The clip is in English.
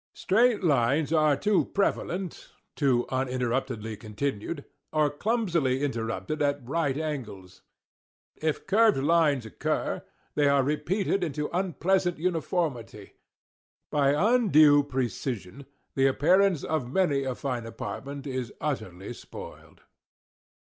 Straight lines are too prevalent—too uninterruptedly continued—or clumsily interrupted at right angles. If curved lines occur, they are repeated into unpleasant uniformity. By undue precision, the appearance of many a fine apartment is utterly spoiled.